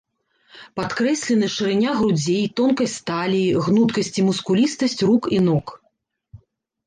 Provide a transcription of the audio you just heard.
Падкрэслены шырыня грудзей, тонкасць таліі, гнуткасць і мускулістасць рук і ног.